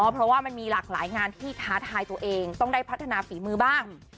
เพราะว่ามันมีหลากหลายงานที่ท้าทายตัวเองต้องได้พัฒนาฝีมือบ้าง